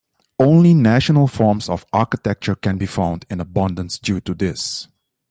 Only national forms of architecture can be found in abundance due to this.